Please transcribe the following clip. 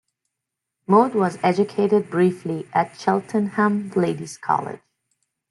Maud was educated briefly at Cheltenham Ladies' College.